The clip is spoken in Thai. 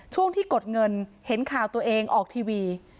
ช่วงที่กดเงินเห็นข่าวตัวเองออกทีวี